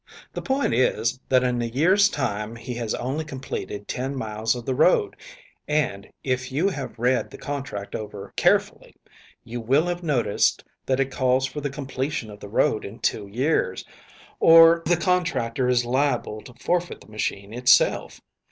"The point is, that in a year's time he has only completed ten miles of the road, and, if you have read the contract over carefully, you will have noticed that it calls for the completion of the road in two years, or the contractor is liable to forfeit the machine itself.